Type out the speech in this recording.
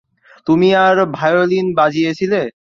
তুমি আর ভায়োলিন বাজিয়েছিলে?